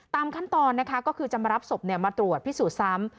ตามขั้นตอนนะคะก็คือจะมารับศพมาตรวจพิสูจน์ซ้ำ